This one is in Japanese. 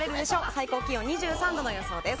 最高気温は２３度の予想です。